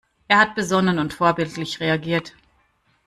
Er hat besonnen und vorbildlich reagiert.